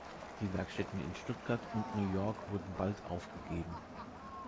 Die Werkstätten in Stuttgart und New York wurden bald aufgegeben.